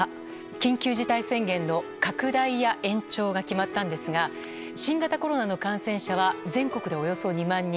緊急事態宣言の拡大や延長が決まったんですが新型コロナの感染者は全国でおよそ２万人。